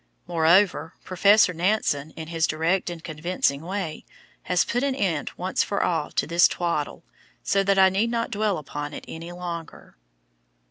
Moreover, Professor Nansen, in his direct and convincing way, has put an end once for all to this twaddle, so that I need not dwell upon it any longer.